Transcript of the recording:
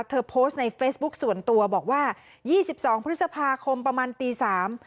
โพสต์ในเฟซบุ๊คส่วนตัวบอกว่ายี่สิบสองพฤษภาคมประมาณตีสาม